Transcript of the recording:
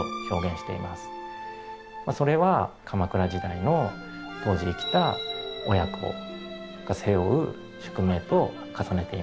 それは鎌倉時代の当時生きた親子が背負う宿命と重ねています。